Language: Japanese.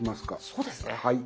そうですね。